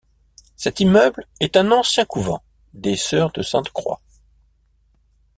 Cet immeuble est un ancien couvent des sœurs de Sainte-Croix.